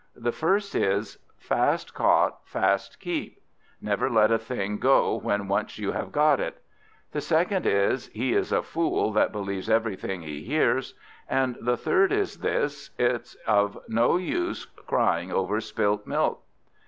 The first is: Fast caught, fast keep; never let a thing go when once you have got it. The second is: He is a fool that believes everything he hears. And the third is this: It's of no use crying over spilt milk."